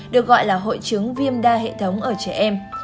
được gọi là hội chứng viêm đa hệ thống ở trẻ em